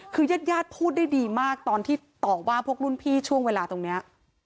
คือญาติญาติพูดได้ดีมากตอนที่ต่อว่าพวกรุ่นพี่ช่วงเวลาตรงนี้